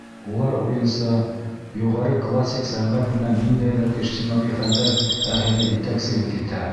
Улар уйынса, юғары классик сәнғәт менән ниндәйҙер ижтимағи фәндәр әһеле етәкселек итә!